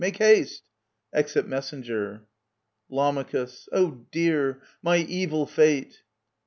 Make haste I [Exit Messenger. Lam. Oh dear ! my evil fate